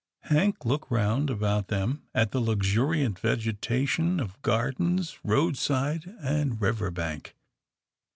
Hank looked round about them at the luxuriant vegetation of gardens, roadside, and river bank.